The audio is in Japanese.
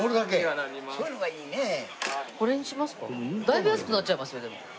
だいぶ安くなっちゃいますよでも。